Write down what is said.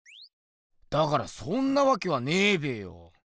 だからそんなわけはねえべよ。